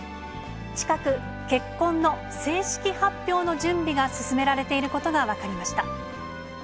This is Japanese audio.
近く、結婚の正式発表の準備が進められていることが分かりました。